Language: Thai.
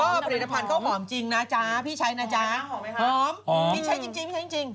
ก็ผลิตภัณฑ์เขาหอมจริงนะจ๊ะพี่ใช้นะจ๊ะหอมไหมคะพี่ใช้จริง